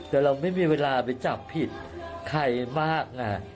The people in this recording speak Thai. แต่เราไม่มีเวลาไปจับผิดใครมาก